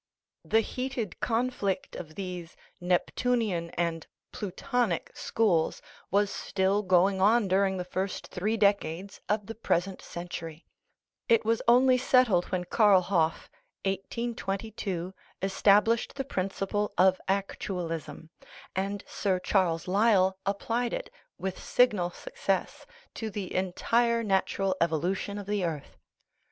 The heated conflict of these " Neptunian " and " Plu 374 SOLUTION OF THE WORLD PROBLEMS tonic " schools was still going on during the first three decades of the present century ; it was only settled when Karl Hoff (1822) established the principle of "actual ism," and Sir Charles Lyell applied it with signal suc cess to the entire natural evolution of the earth.